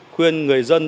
khuyên người dân